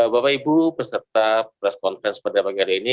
bapak ibu peserta press conference pada pagi hari ini